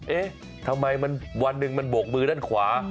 เอ๊ะทำไมมันวันหนึ่งมันโบกมือด้านขวา